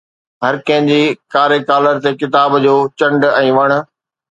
هر ڪنهن جي ڪاري ڪالر تي ڪتاب جو چنڊ ۽ وڻ